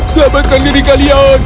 selamatkan diri kalian